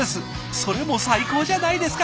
それも最高じゃないですか！